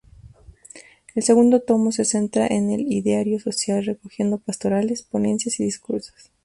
El segundo tomo se centra en el ideario social, recogiendo pastorales, ponencias y discursos.